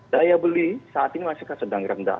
daya beli saat ini masih sedang rendah